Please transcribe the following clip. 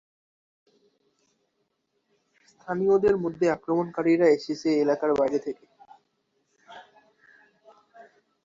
স্থানীয়দের মতে আক্রমণকারীরা এলাকার বাইরে থেকে এসেছে।